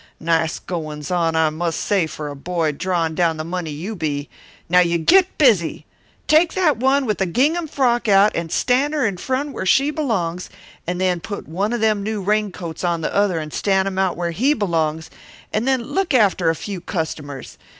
Nice goin's on, I must say, for a boy drawin' down the money you be! Now you git busy! Take that one with the gingham frock out and stand her in front where she belongs, and then put one them new raincoats on the other and stand him out where he belongs, and then look after a few customers.